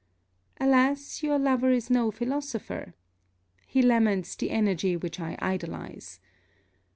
Alas, your lover is no philosopher! He laments the energy which I idolize.